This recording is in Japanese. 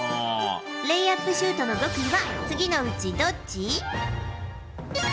レイアップシュートの極意は次のうちどっち？